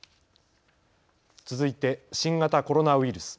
続いて新型コロナウイルス。